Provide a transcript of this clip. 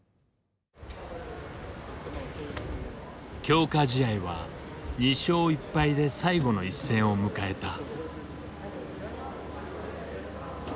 強化試合は２勝１敗で最後の一戦を迎えた。